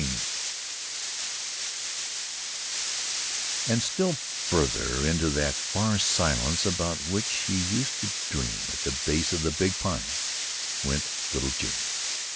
XIX And still farther into that far silence about which she used to dream at the base of the big Pine, went little June.